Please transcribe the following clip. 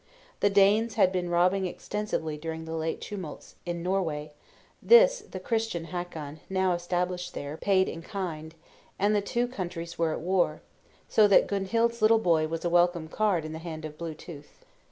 The Danes had been robbing extensively during the late tumults in Norway; this the Christian Hakon, now established there, paid in kind, and the two countries were at war; so that Gunhild's little boy was a welcome card in the hand of Blue tooth.